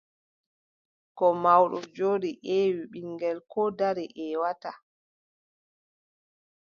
Ko mawɗo jooɗi ƴeewi, ɓiŋngel darii ƴeewataa.